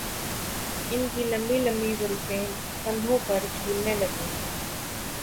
ان کی لمبی لمبی زلفیں کندھوں پر جھولنے لگیں